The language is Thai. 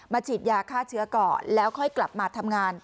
ฉีดยาฆ่าเชื้อก่อนแล้วค่อยกลับมาทำงาน